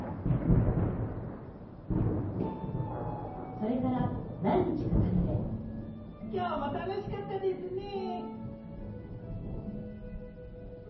それからなんにちかたってきょうもたのしかったですねえ。